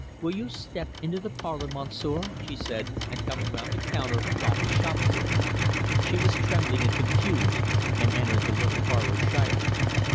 "Will you step into the parlour, Monsieur?" she said, and coming round the counter, locked the shop door. She was trembling and confused, and entered the little parlour shyly.